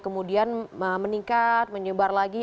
kemudian meningkat menyebar lagi